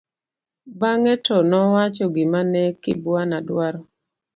bang'e to nowacho gima ne Kibwana dwaro